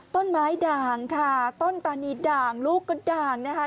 ด่างค่ะต้นตานีด่างลูกกระด่างนะคะ